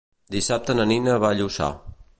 Dissabte na Nina va a Lluçà.